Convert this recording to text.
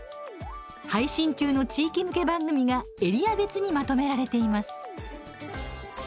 配信中の地域向け番組がエリア別にまとめられています。